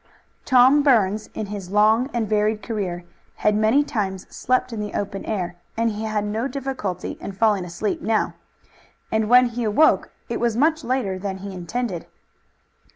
Tom Burns in his long and varied career had many times slept in the open air, and he had no difficulty in falling asleep now, and when he woke it was much later than he intended.